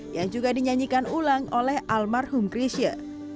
yang juga dinyanyikan ulang oleh almarhum grisha